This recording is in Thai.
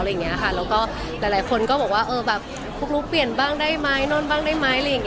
แล้วก็หลายคนก็บอกว่าพวกรู้เปลี่ยนบ้างได้ไหมนอนบ้างได้ไหม